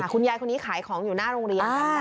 คุณยายคนนี้ขายของอยู่หน้าโรงเรียน